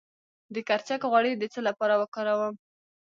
د کرچک غوړي د څه لپاره وکاروم؟